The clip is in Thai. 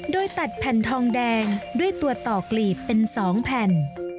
โดยตัดแผ่นทองแดงด้วยตัวต่อกลีบเป็น๒แผ่น